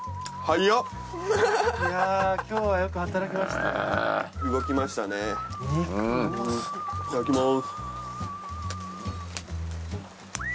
いただきます。